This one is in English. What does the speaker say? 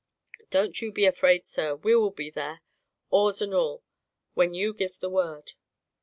Don't you be afraid, sir; we will be there, oars and all, when you give the word."